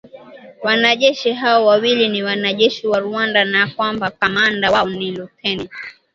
wanajeshi hao wawili ni wanajeshi wa Rwanda na kwamba kamanda wao ni Luteni